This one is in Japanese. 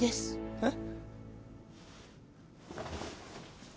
えっ？